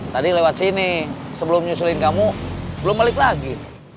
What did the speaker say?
tadi lewat sini sebelum nyusulin kamu belum balik lagi